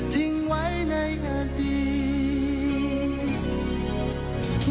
ทิ้งไว้ในอดีต